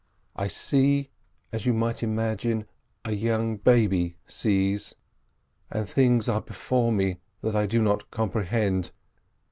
I see, as you might imagine, a young baby sees, and things are before me that I do not comprehend.